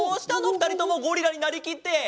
ふたりともゴリラになりきって。